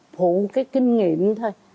phụ cái kinh nghiệm thôi